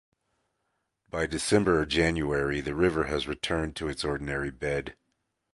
By December or January the river has returned to its ordinary bed.